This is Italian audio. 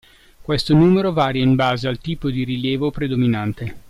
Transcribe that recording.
Questo numero varia in base al tipo di rilievo predominante.